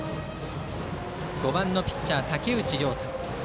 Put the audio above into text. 打席は５番のピッチャー武内涼太。